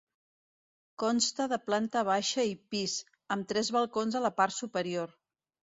Consta de planta baixa i pis, amb tres balcons a la part superior.